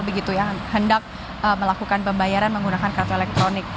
begitu yang hendak melakukan pembayaran menggunakan kartu elektronik